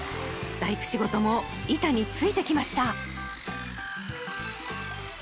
大工仕事も板についてきました